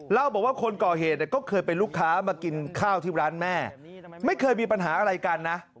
เล่าบอกว่าคนก่อเหตุก็เคยเป็นลูกค้ามากินข้าวที่ร้านแม่ไม่เคยมีปัญหาอะไรกันนะ